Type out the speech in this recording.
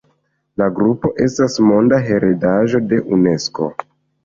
La grupo estas Monda heredaĵo de Unesko.